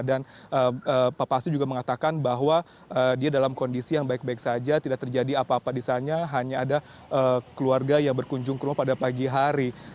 pak pasi juga mengatakan bahwa dia dalam kondisi yang baik baik saja tidak terjadi apa apa di sana hanya ada keluarga yang berkunjung ke rumah pada pagi hari